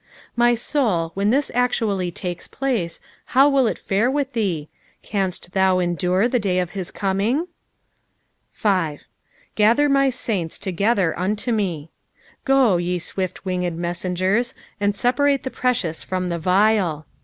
My soul, when this actually takes place, how will it fare with thee I Canst thou endure the day of his coming 1 5. "Gather my naintt together unto me." Go, ye swift winged messengers, and separate the precious from the vile.